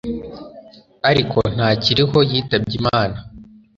Ariko ntakiriho yitabye Imana